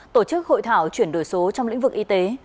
tổ chức hội thảo chuyển đổi số trong lĩnh vực y tế